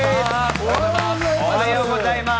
おはようございます。